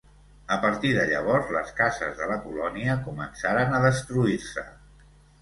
A partir de llavors, les cases de la colònia començaren a destruir-se.